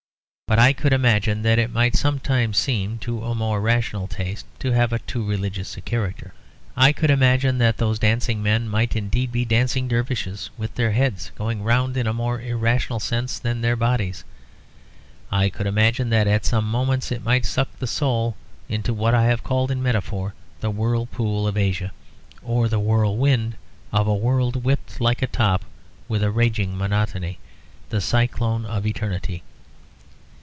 But I could imagine that it might sometimes seem to a more rational taste to have too religious a character. I could imagine that those dancing men might indeed be dancing dervishes, with their heads going round in a more irrational sense than their bodies. I could imagine that at some moments it might suck the soul into what I have called in metaphor the whirlpool of Asia, or the whirlwind of a world whipped like a top with a raging monotony; the cyclone of eternity.